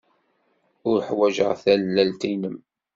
Ur ḥwajeɣ tallalt-nnem.